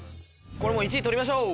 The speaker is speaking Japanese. これもう１位取りましょう。